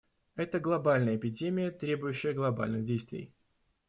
Это глобальная эпидемия, требующая глобальных действий.